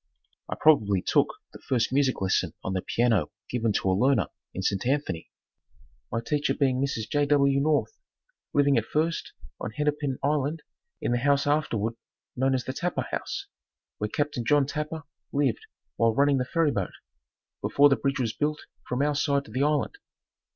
I probably took the first music lesson on the piano given to a learner in St. Anthony, my teacher being Mrs. J. W. North, living at First on Hennepin Island in the house afterward known as the Tapper House, where Capt. John Tapper lived while running the ferry boat, before the bridge was built from our side to the island.